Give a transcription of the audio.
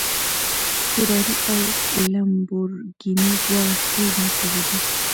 فېراري او لمبورګیني دواړه ښې موټرې دي